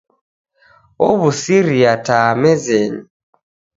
Ow'usiria taa mezenyi.